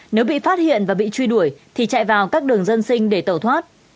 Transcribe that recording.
nếu bị phát hiện và bị truy đuổi thì chạy vào các đường dân sinh để tẩu thoát